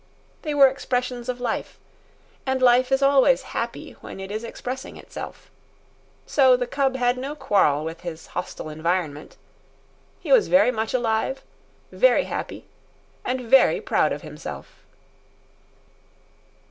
They were expressions of life, and life is always happy when it is expressing itself. So the cub had no quarrel with his hostile environment. He was very much alive, very happy, and very proud of himself.